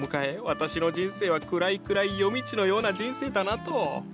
私の人生は暗い暗い夜道のような人生だなと。